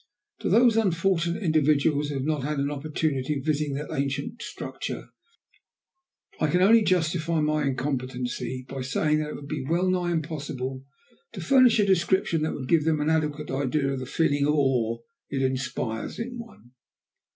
To those unfortunate individuals who have not had an opportunity of visiting that ancient structure, I can only justify my incompetency by saying that it would be well nigh impossible to furnish a description that would give them an adequate idea of the feeling of awe it inspires in one.